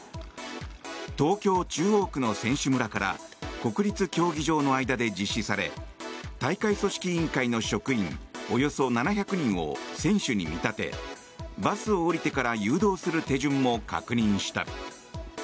東京・中央区の選手村から国立競技場の間で実施され大会組織委員会の職員およそ７００人を選手に見立てバスを降りてから誘導する手順も確認した。